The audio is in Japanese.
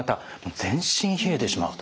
全身冷えてしまうと。